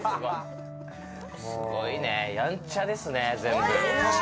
すごいね、やんちゃですね全部。